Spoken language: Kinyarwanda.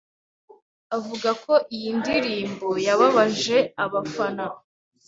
avuga ko iyi ndirimbo yababaje abafana